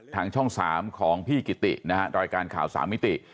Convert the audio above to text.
ทางช่อง๓ของพี่กิตินะฮะรายการข่าว๓มิติ